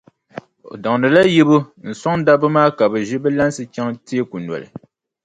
O daŋdila yibu n-sɔŋ dabba maa ka bɛ ʒi bɛ lansi chaŋ teeku noli.